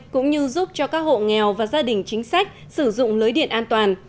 cũng như giúp cho các hộ nghèo và gia đình chính sách sử dụng lưới điện an toàn